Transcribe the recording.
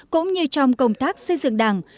cũng như trong công tác xây dựng đảng